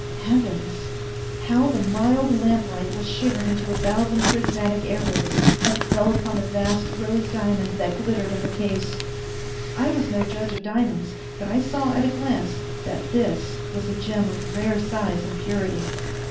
Heavens! How the mild lamplight was shivered into a thousand prismatic arrows as it fell upon a vast rose diamond that glittered in the case! I was no judge of diamonds, but I saw at a glance that this was a gem of rare size and purity.